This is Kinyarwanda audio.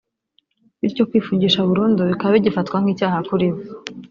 Bityo kwifungisha burundu bikaba bigifatwa nk’icyaha kuribo